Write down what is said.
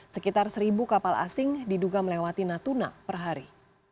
sekitar seribu kapal asing diduga melewati natuna per hari